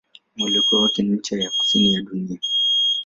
Mwelekeo wake ni ncha ya kusini ya dunia.